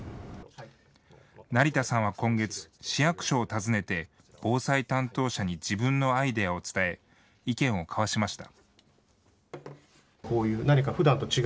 成田さんは今月、市役所を訪ねて防災担当者に自分のアイデアを伝え、意見を交わしました。